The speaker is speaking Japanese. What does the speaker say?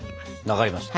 分かりました。